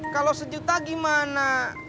kalau sejuta gimana